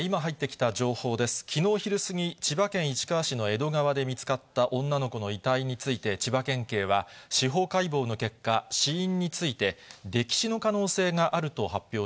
きのう昼過ぎ、千葉県市川市の江戸川で見つかった女の子の遺体について、千葉県警は、司法解剖の結果、死因について、溺死の可能性があると発表